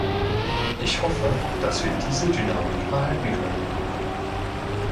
Ich hoffe, dass wir diese Dynamik erhalten können.